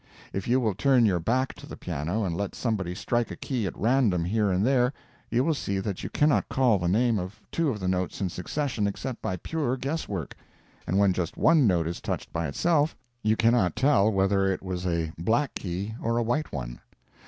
If you will turn your back to the piano and let somebody strike a key at random here and there, you will see that you cannot call the name of two of the notes in succession except by pure guess work; and when just one note is touched by itself you cannot tell whether it was a black key or a white one.